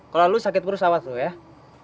kalau lu sakit perusahaan tuh ya